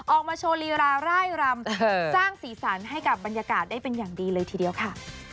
ออกมาโชว์ลีราร่ายรำสร้างสีสันให้กับบรรยากาศได้เป็นอย่างดีเลยทีเดียวค่ะ